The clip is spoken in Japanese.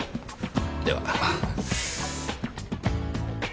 では。